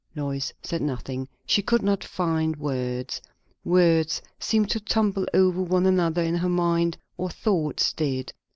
Lois said nothing. She could not find words. Words seemed to tumble over one another in her mind, or thoughts did.